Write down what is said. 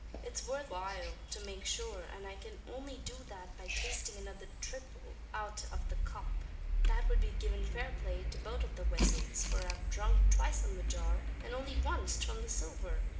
It's worth while to make shure, an I can only do that by tastin' another thrifle out av the cup. That wud be givin' fair play to both av the vessels; for I've dhrunk twice from the jar, an only wanst from the silver.